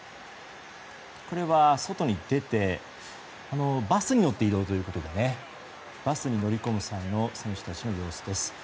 これは外に出てバスに乗って移動ということでバスに乗り込む際の選手たちの様子です。